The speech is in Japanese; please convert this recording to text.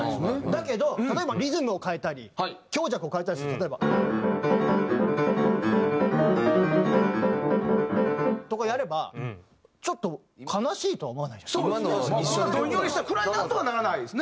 だけど例えばリズムを変えたり強弱を変えたりすると例えば。とかやればちょっとどんよりした暗いなとはならないですね。